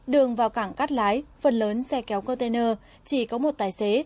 đường vào cảng cắt lái phần lớn xe kéo container chỉ có một tài xế